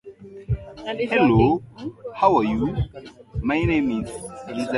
Uganda kuchangamkia fursa mpya za kibiashara kati yake na Jamhuri ya Kidemokrasia ya Kongo